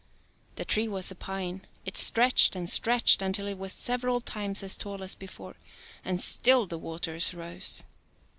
The tree was a pine. It stretched and stretched until it was several times as tall as before. And still the waters rose.